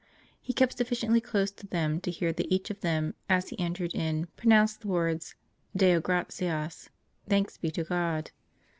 He kept sufficiently close to them to hear that each of them, as he entered in, pronounced the words, "Deo gratias''' "Thanks be to God."